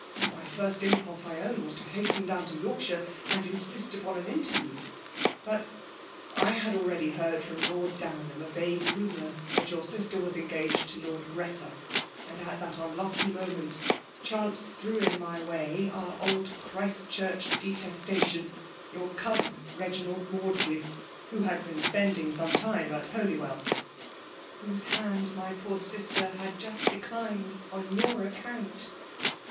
My first impulse, I own, was to hasten down to Yorkshire, and insist upon an inter view. But I had already heard from Lord Downham a vague rumour that your sister was engaged to Lord Greta ; and at tluit un lucky moment chance threw in my way our old Christchurch detestation — your 'cousin Reginald Maudsley — who had been spendiiig some time at Holywell *''* Whose hand my poor sister had jubt de clined on your account